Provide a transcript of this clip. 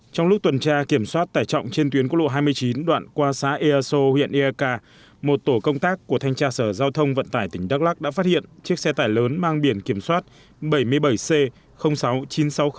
trong lúc tuần tra kiểm soát tải trọng trên tuyến quốc lộ hai mươi chín đoạn qua xá easo huyện eak một tổ công tác của thanh tra sở giao thông vận tải tỉnh đắk lắc đã phát hiện chiếc xe tải lớn mang biển kiểm soát bảy mươi bảy c sáu nghìn chín trăm sáu mươi